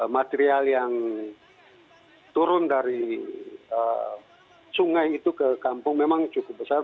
material yang turun dari sungai itu ke kampung memang cukup besar